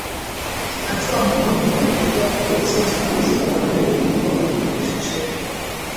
Hatua muhimu kuelekea kupunguza uchafuzi wa baharini kwa kuimarisha sheria